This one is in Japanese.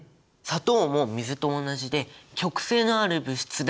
砂糖も水と同じで極性のある物質だからだ！